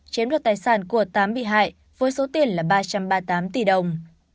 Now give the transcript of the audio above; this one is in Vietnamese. chiếm đoạt tài sản của tám bị hại với số tiền là ba trăm ba mươi tám tỷ đồng